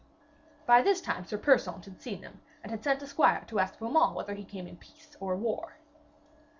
By this time Sir Persaunt had seen them, and had sent a squire to ask Beaumains whether he came in peace or war.